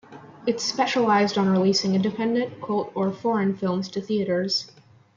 It specialized on releasing independent, cult, or foreign films to theaters.